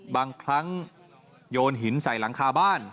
บางครั้งโยนหินใส่หลังคาบ้าน